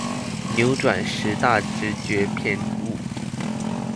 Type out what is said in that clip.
扭轉十大直覺偏誤